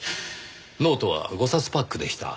ノートは５冊パックでした。